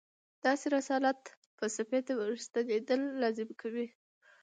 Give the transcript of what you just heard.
داسې رسالت فلسفې ته ورستنېدل لازمي کوي.